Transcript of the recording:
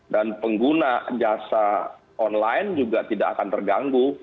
dan pengguna jasa online juga tidak akan terganggu